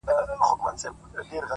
o مخامخ وتراشل سوي بت ته ناست دی؛